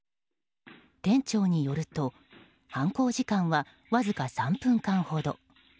店長によると犯行時間はわずか３分間ほど。